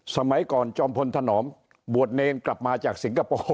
สมัยก่อนจอมพลธนอมบวชเนรกลับมาจากสิงคโปร์